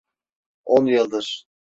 On yıldır.